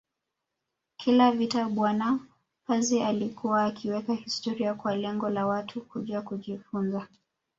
Kila vita bwana Pazi alikuwa akiweka historia kwa lengo la Watu kuja kujifunza